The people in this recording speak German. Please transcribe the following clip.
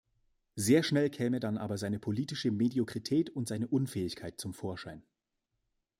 Sehr schnell käme dann aber seine politische Mediokrität und seine Unfähigkeit zum Vorschein.